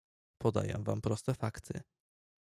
"Podaję wam proste fakty."